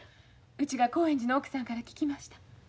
うちが興園寺の奥さんから聞きました。